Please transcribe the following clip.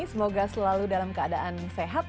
semoga selalu dalam keadaan sehat